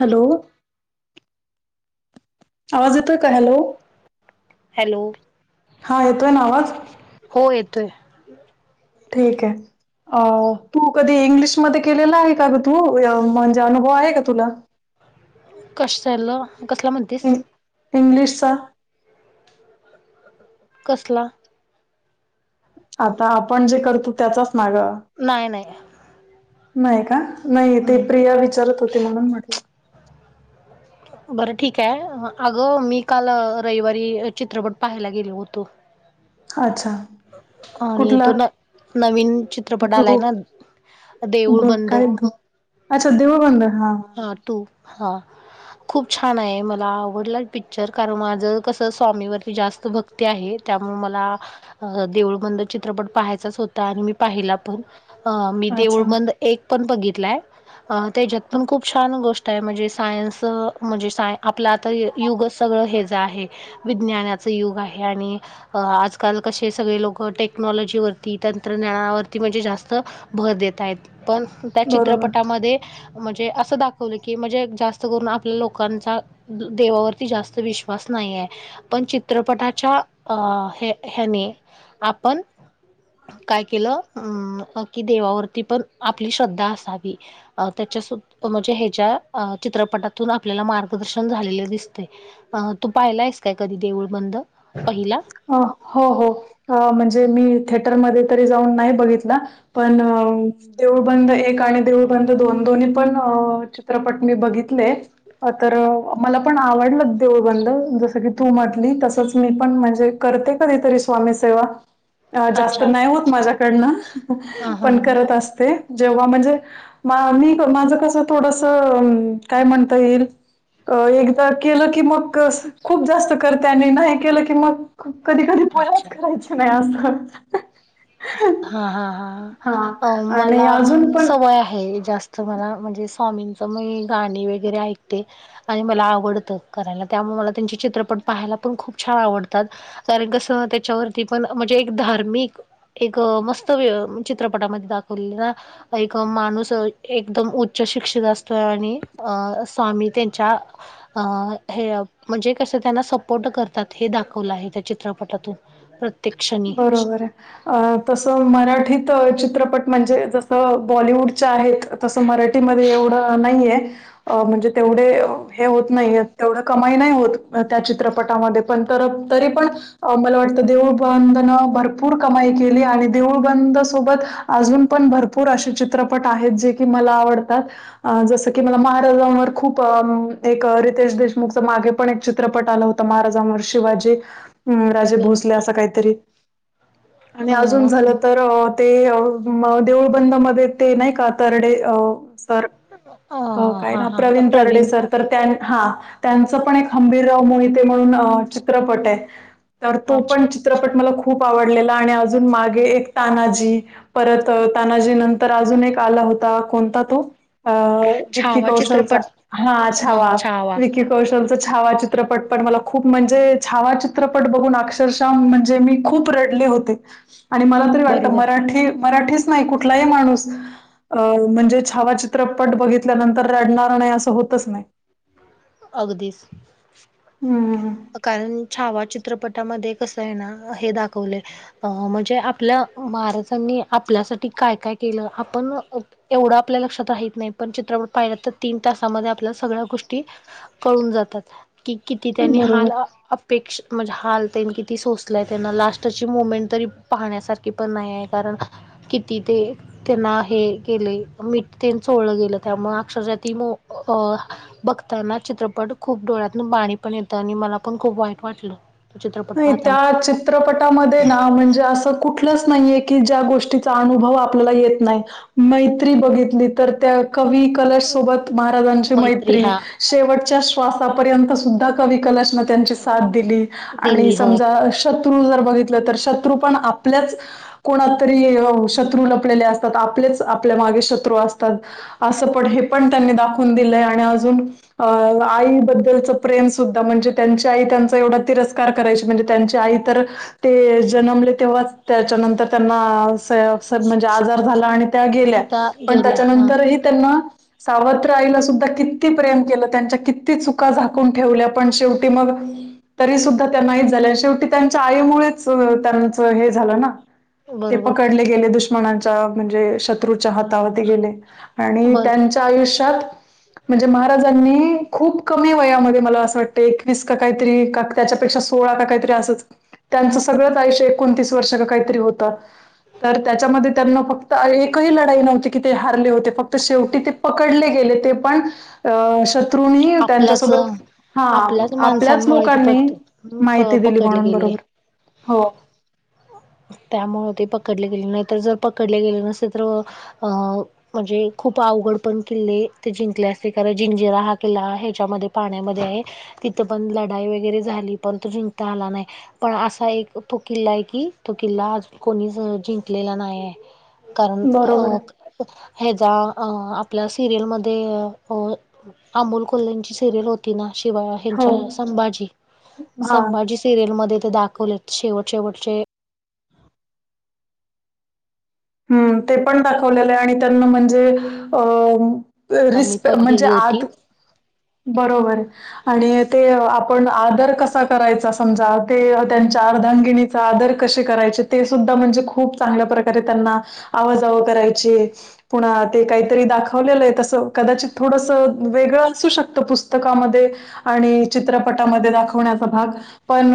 Hello. आवाज येतोय काय हॅलो. हॅलो. हा येतोय ना आवाज? हो येतोय. ठीक आहे. अ तू कधी इंग्लिशमध्येध्ये केलेला आहे काी तू म्हणजे अनुभव आहे का तुला? कसलं कसला म्हणतेस. इं- इंग्लिशचा. कसला? आता आपण जे करतो त्याचाच मागं. नाही नाही. नाही का नाही ते हम्म. प्रिया विचारत होती म्हणून म्हटलं. बरं ठीक आहे अगं मी काल रविवारी चित्रपट पाहायला गेलो होतो. अच्छा आणि कुठला तो न नवीन चित्रपट आलाय धो ना. देऊळ धो बंद. काय धो अच्छा देव बंद हा. ह तु हा. खूप छान आहे मला आवडला पिक्चर कारण माझं कसं स्वामीवरती जास्त भक्त. ते आहे त्यामुळे मला देऊळबंद चित्रपट पाहायचाच होता आणि मी पाहिला पण. अ मी अच्छा देऊळबंद एक पण बघितलाय त्याच्यात पण खूप छान गोष्ट म्हणजे सायन्स म्हणजे साय आपलं आता युग सगळं हेच आहे. विज्ञानाच युग आहे आणि. अ आजकाल कसे सगळे लोक टेक्नॉलॉजीवररती तंत्रज्ञानावरती म्हणजे जास्त. भर देत आहेत पण त्या बरोबर चित्रपटामध्ये. म्हणजे असं दाखवलं की म्हणजे जास्त करून आपल्या लोकांचा. देवावरती जास्त विश्वास नाहीये. पण चित्रपटाच्या अ ह ह्याने आपण. काय केलं अं कि देवावरती पण आपली श्रद्धा असावी. अ त्याच्या म्हणजे ह्याच्या चित्रपटातून आपल्याला मार्गदर्शन झालेले दिसते. अ तू पाहिला आहेस काय कधी देऊळ बंद पहिला? अ हो हो म्हणजे मी थिएटरमध्येध्ये तरी जाऊन नाही बघितला. पण. देऊळ बंद एक आणि देऊळ बंद दोन दोन्ही पण चित्रपट मी बघित. तर मला पण आवडलं देवळबंद जस की तू मारली तसच मी. पण म्हणजे करते कधीतरी स्वामी सेवा. अ जास्त अच्छा नाही होत माझ्याकडनं हां पण हां करत असते. जेव्हा म्हणजे मी माझं कसं थोडस काय म्हणता येईल. अ एकदा केलं की मग खूप जास्त करते आणि नाही केलं की कि मग कधी कधी पोळ्याच अच्छा करायच्या नाही असतात. हा हा हा हा मला आणि अजून पण सवय आहे जास तुम्हाला म्हणजे स्वामींचं मी गाणी वगैरे ऐकते. आणि मला आवडतं करायला त्यामुळे मला त्यांचे चित्रपट पाहायला पण खूप छान आवडतात. कारण कसं हो त्याच्यावरती पण म्हणजे एक धार्मिक. एक मस्त वे चित्रपटामध्ये दाखवले ना. एक माणूस अ एकदम उच्च शिक्षित असतोय आणि अ अस स्वामी त्यांच्या अ हे म्हणजे कस त्यांना सपोर्ट करतात हे दाखवलं आहे त्या चित्रपटातून. तर बरोबर आहे. अ तसं मराठीत चित्रपट म्हणजे जसं बॉलिवूडच्या आहेत तसं मराठीमध्ये एवढं नाहीये पण अ म्हणजे तेवढे हे होत नाही तेवढ कमाई नाही होत त्या चित्रपटामध्ये पण तरी पण मला वाटतं देऊळ बंद न भरपूर कमाई केली आणि देऊळ बंद सोबत अजून पण भरपूर भरपूर असे चित्रपट आहेत जे की मला आवडतात. अ जसं की मला महाराजांवर खूप एक रितेश देशमुखचा मागे पण एक चित्रपट आला होत महाराजांवर महाराज शिवाजी हम्म राजे भोसले असं काहीतरी आणि अ अजून झालं तर ते अ म देऊळबंदा मध्ये ते नाही का तरडे अ सर [unintelligible] हो काय हा नाव हा प्रवीण तरडे सर. तर हा त्यांचं पण एक खंबीर मोहिते म्हणून चित्रपट आहे. तर तो पण अच्छा चित्रपट मला खूप आवडलेला आणि अजून मागे एक तानाजी परत तानाजी नंतर अजून एक आला होता कोणता तो अ विकी छावा कौशल चित्रपट हा छावा विकी कौशल छावा चित्रपट पण मला खूप म्हणजे छावा चित्रपट बघून अक्षर शा ताम म्हणजे मी खूप रडले होते. [unintelligible] आणि मला तरी वाटतं बरोबर मराठी मराठीच नाही कुठला ही माणूस अ म्हणजे छावा चित्रपट बघित ल्या नंतरडणार नाही असं होतच नाही. अगदीच. हम्म. कारण छावा चित्रपटामध्ये कस आहे ना हे दाखवलेय अ म्हणजे आपल्या महाराजांनी आपल्यासाठी काय काय केलं आपण एवढं आपल्या लक्षात राहत नाही पण चित्रपट पाहिला तर तीन तासामध्ये आपल्या सगळ्या गोष्टी कळून जातात कि किती त्यांनी बरोबर. हाल पेक्षा म्हणजे हालतन किती सोचलंय त्यांना लास्टची मुमेंट तरी पाहण्यासारखी पण नाही आहे कारण किती ते त्यांना हे केले मीठ चोळलं गेलं त्यामु अक्षरशा ती मो अ बघताना चित्रपट खूप डोळ्यात पाणी पण येतं आणि मला पण खूप वाईट वाटलं. चित्रपट नाही पाहताना त्या चित्रपटामध्ये ना म्हणजे असं कुठलंच नाहीये की ज्या गोष्टीचा अनुभव आपल्याला येत नाही. मैत्री बघितली तर त्या कवी कलश सोबत महाराजांची मैत्री शेवटच्या श्वासापर्यंत सुद्धा कवी कलश न त्यांची साथ दिली आणि दिली हो समजा शत्रू जर बघितलं तर शत्रू पण आपल्याच कोणा तरी शत्रू लपलेले असतात आपलेच आपल्या मागे शत्रू असतात. असं पण हे पण त्यांनी दाखवून दिलंय आणि अजून अ आईबद्दलच प्रेम सुद्धा म्हणजे त्यांची आई त्यांचा एवढा तिर कार करायची म्हणजे त्यांची आई तर ते जन्मले तेव्हाच त्याच्यानंतर त्यांना अस म्हणजे आजार झाला आणि त्या गेल्या त्या पण गेल्या हा त्याच्यानंतर ही त्यांना सावत्र आईला सुद्धा किती प्रेम केलं त्यांच्या किती चुका झाकून ठेवल्या पण शेवटी मग तरी सुद्धा त्यांनाहीच झाले शेवटी त्यांच्या आईमुळेच त्यांचं हे झालं ना. ते बरोबर पकडले गेले दुश्मनाच्या म्हणजे शत्रूच्या हातावर गेले. आणि बरोबर त्यांच्या आयुष्यात म्हणजे महाराजांनी खूप कमी वयामध्ये मला असं वाटतं एकवीस का काहीतरी त्याच्या सो काहीत असच त्यांचं सगळंच आयुषय ण वर्ष का होत त्याच्या त्यांना फक्त एकही लढाई नव्हती. ह हो फक्त शेवटी ते पडले गेले ते पण तु आपल्याच त्यांच्यासोबत हा आपल्याच आपल्याच माणसांमुळे ती लोकांनी पट प माहिती दिली पकडले म्हणून गेले बरोबर हो. त्यामुळे ते पकडले गेले नाहीतर जर पकडले गेले नसेल तर अ म्हणजे खूप अवघड पण किल्ले ते जिंकले असते कारण जिंजिरा हा किल्ला ह्याच्यामध्ये पाण्यामध्ये आहे. तिथं पण लढाई वगैरे झाली पण तो जिंकता आला नाही पण असा एक तो किल्ला आहे की तो किल्ला आज कोणीच जिंकलेला नाहीय कारण बरोबर अ आहे ह्याचा अ आपल्या सिरियल मध्ये अ अ अमोल कोल्ल्या ची सिरियल हो. तिना शिवाळा हो हच्या संभाजी हा संभाजी सिरियल मध्ये ते दाखवले. शेवट शेवटचे हम्म ते पण दाखवलेलं आहे आणि त्यांना म्हणजे अ मी रिस्पे पण म्हणजे गेली होती आत बरोबर आहे. आणि ते आपण आदर कसा करायचा समजा ते त्यांच्या अर्धांगिणी आदर कसे करायचे ते सुद्धा म्हणजे खूप चांगल्या प्रकारे त्यांना आवाजावं करायची. पुण ते काहीतरी दाखवलेलं आहे तसं कदाचित थोडसं वेगळं असू शकत. फत पुस्तकामध्ये आणि चित्रपटामध्ये दाखवण्याचा भाग पण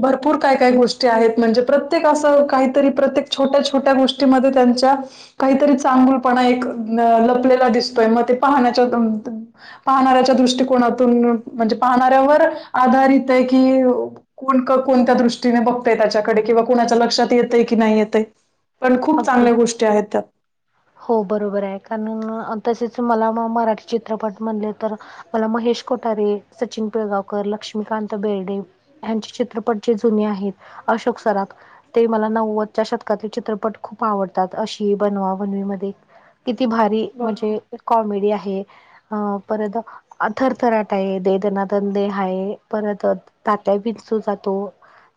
भरपूर काय काय गोष्टी आहेत म्हणजे प्रत्येक असं काहीतरी प्रत्येक छोट्या छोट्या गोष्टीमध्ये त्यांच्या काहीतरी चांगूलपणा एक अ लपलेला दिसतोय मग ते पाहण्याच्या पाहणाऱ्याच्या दृष्टिकोनातून म्हणजे पाहणाऱ्यावर आधारित आहे की कोण कोणत्या दृष्टीने बघतय त्याच्याकडे किंवा कोुणाच्या लक्षात येतय की नाही येते. पण खूप अगदीच चांगल्या गोष्टी आहेत त्या हो बरोबर आहे कारण तसेच मला मराठी चित्रपट म्हणले तर मला महेश कोटारे सचिन पिळगावकर लक्ष्मीकांत बेर्डे यांचे चित्रपट जे जुने आहेत अशोक सराफ ते मला नव्वदच्या शतकातील चित्रपट खूप आवडतात अशी बनवा. न मध्ये किती भारी बरोबर म्हणजे कॉमेडी आहे परत थरथराट आहे देदनादन दे ह आहे परत तात्या बिंचू जातो.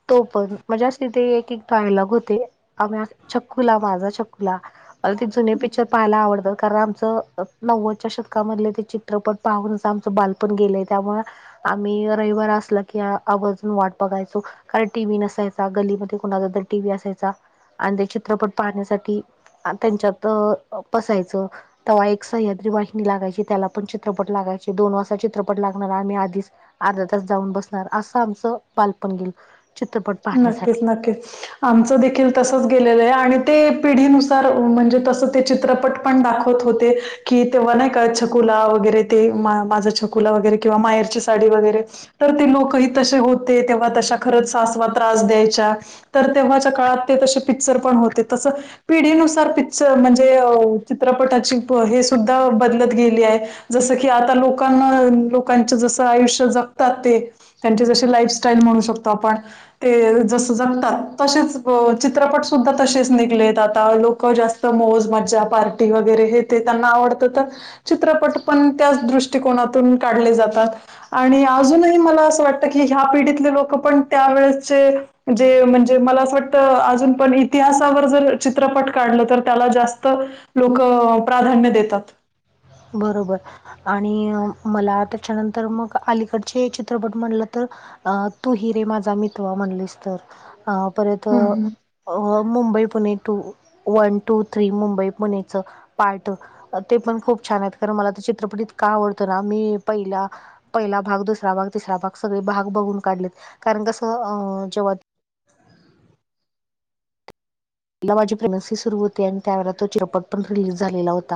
तो पण म्हणज्या सथ एक डायलॉग होते आम्ही छकुला माझा छकुला मला ते जुने पिक्चर पाहायला आवडतात. कारण आमचं नव्वदच्या शतकामधले ते चित्रपट पाहूनच आमचं बालपण गेलेय त्यामुळे आम्ही रविवार असला की आवर्जून वाट बघायचो. कारण टी व्ही नसायचा गल्लीमध्ये कुणाचा तर टीव्ही असायचा आणि ते चित्रपट पाहण्यासाठी हा त्यांच्यात बसायचो. तेव्हा एक सह्याद्री वाहिनी लागायची त्याला पण चित्रपट लागायचे दोन वाजता चित्रपट लागणार आम्ही आधीच अर्धा तास जाऊन बसणार असं आमचं बालपण गेलं चित्रपट पाहण्यासाठी नक्कीच नक्कीच आमचं देखील तसंच गेलेलं आहे आणि ते पिढीनुसार म्हणजे तसं ंचित्रपट पण दाखवत होते की तेव्हा नाही का छकुला वगैरे ते माझा छकु वर कवा मायची साडी वरे तर ते लोकही त होते तेव्हा त खरच. त्रास द्यायच्या तर तेव्हाच्या काळात ते त पिक्चर पण होते तस पिढीनुसार पिक्चर म्हणजे चित्रपटाची हे सुद्धा बदलत गेली आहे. जस की आता लोकांना लोकांच जसं आयुष्य जगतात ते त्यांचे जशी लाईफस्टाईल म्हणू शकतो आपण ते जस जगतात तसेच चित्रपट सुुद्धा तसेच निघलेत आता लोक जास्त ते, मोजमाजा पार्टी वगैरे हे ते त्यांना आवडतं तर चित्रपट पण त्याच दृष्टकोनातून काढले जातात आणि अजूनही मला असं वाटतं की ह्या पिढीतले लोक पण त्यावेेळेसचे जे म्हणजे मला असं वाटतं अजून पण इतिहासावर जर चित्रपट काढलं तर त्याला जास्त लोक प्राधान्य देतात बरोबर आणि मला त्याच्यानंतर मग अलीकडचे चित्रपट म्हणलं तर अ तू हि रे माझा मितवा म्हणलीस तर अ परत हम्म. अ Mumbai Pune two one two three Mumbai पुण्याचं पार्ट ते पण खूप छान आहेत कारण मला तर चित्रपट इतका आवडतो ना मी पहिला पहिला भाग दुसरा भाग तिसरा भाग सगळे भाग बघून काढलेत कारण कसं जेव्हा जेव्हा, प्रेग्न्सी सुरु होती आणि त्यावेळेला तो चित्रपट पण रिलीज झालेला होता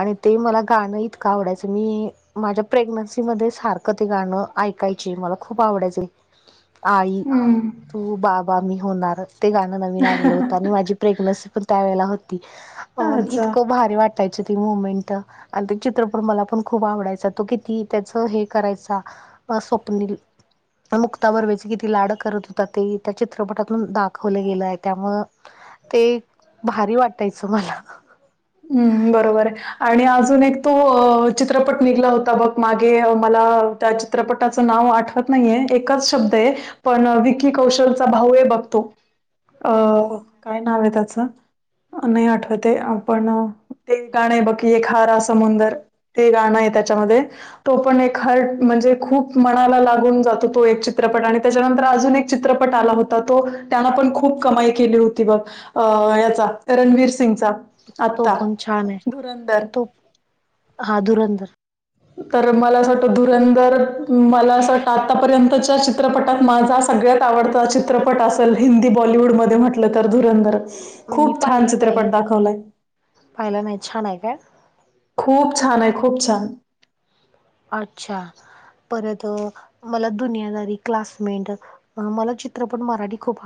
आणि ते मला गाणं इतकं आवडायचं मी माझ्या प्रेग्न्सी मध्ये सारखं ते गाणं ऐकायची मला खूप आवडायचे आई हम्म तू बाबा मी होणार ते गाणं नवीन आलेलं होत आणि माझी प्रेग्नन्सी पण त्यावेळे होती म अच्छा इतकं भारी वाटायच ती मुमेंट आणि ते चित्रपट मला पण खूप आवडायचा तो किती त्याच हे करायचा बा स्वप्नील त्या, मुक्ता बर्वेचे किती लाड करत होतात ते त्या चित्रपटातून दाखवलं गेलं आहे त्यामुळं ते भारी वाटायचं मला हु बरोबर आहे आणि अजून एक तो चित्रपट निघला होता बघ मागे मला त्या चित्रपटाचं नाव आठवत नाहीये एकच शब्द हे पण विकी कौशलचा भाऊ बघ, तो अ हो का काय नाव आहे त्याच नाही आठवतय पण ते गाणं आहे बघकी एक हारा समुंदर ते गाणं त्याच्यामध्ये तो पण एक हर्ट म्हणजे खूप मनाला लागून जातो तो एक चित्रपट आणि त्याच्यानंतर अजून एक चित्रपट आला होता तो त्यांलापण खूप कमाई केली होती बघ अ याचा रणवीर सिंगचा तो आत्ता पण छान आहे धुरंदर तो हा धुरंदर तर मला असं वाटतं धुरंधर मला असं वाटतं आतापर्यंतच्या चित्रपटात माझा सगळ्यात आवडता चित्रपट असेल हिंदी बॉलीवूड मध्ये म्हटलं तर धुरंदरच मी खूप छान चित्रपट दाखवलाय पाहियला नाही छान आहे काय खूप छान आहे खूप छान अच्छा परत मला दुनियादारी क्लासमेट मला चित्रपट मराठी खूप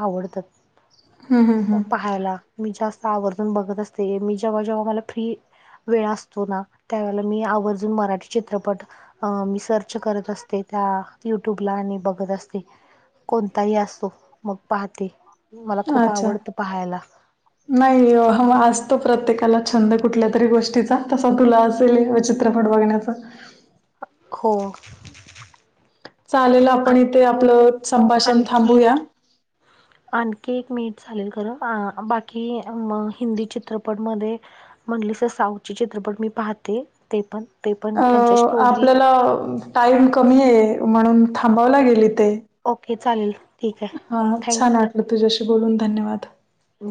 हं, हं, आवडतात हं. पहायला मी जास्त आवर्जून बघत असते मी जेव्हा जेव्हा मला फ्री वेळ असतो ना त्यावेळेला मी आवर्जून मराठी चित्रपट अ मी सर्च करत असते त्या युट्यूबला आणि बघत असते कोणताही असतो मग पाहते मला खूप अच्छा. आवडत पहायला नाही असतो प्रत्येकाला छंद कुठल्या तरी गोष्टीचा तसा तुला असेल तु फट बघण्याचा हो चालेल आ आपण इथे आपलं संभाषण आणखी थांबूया. [inaudible] आणखी एक मिनिट झाले खरं बाकी हिंदी चित्रपट मध्ये. म्हंटलिस तर साऊंड चे चित्रपट मी पाहते ते पण. ते पण अ त्यांच्या स्टोरी आपल्याला टाईम कमी आहे म्हणून थांबव लागेल इथे. ओके चालेल ठीक आहे थँकू. तर तुझ्याशी बोलून धन्यवाद.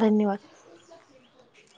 धन्यवाद